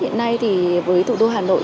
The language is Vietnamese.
hiện nay thì với thủ đô hà nội